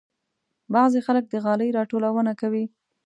بعضې خلک د غالۍ راټولونه کوي.